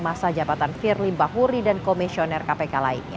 masa jabatan firly bahuri dan komisioner kpk lainnya